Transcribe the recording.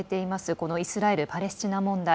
このイスラエル、パレスチナ問題。